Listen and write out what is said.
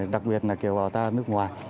đặc biệt là kiều bào ta nước ngoài